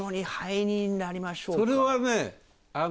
それはね。